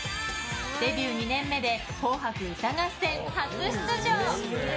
デビュー２年目で「紅白歌合戦」初出場。